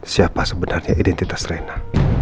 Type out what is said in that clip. siapa sebenarnya identitas reina